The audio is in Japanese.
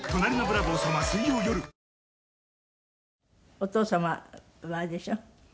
お父様はあれでしょ？